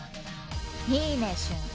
「いいね瞬」